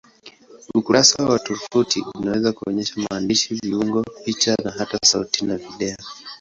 Ukurasa wa tovuti unaweza kuonyesha maandishi, viungo, picha au hata sauti na video.